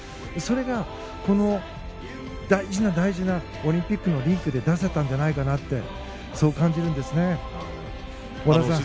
それが、この大事な大事なオリンピックのリンクで出せたんじゃないかなってそう感じるんですね。